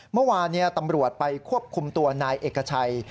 เมื่อวานตำรวจไปควบคุมตัวนายเอกชัย